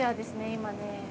今ね